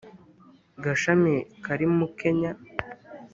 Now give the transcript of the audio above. gashami kari mu Kenya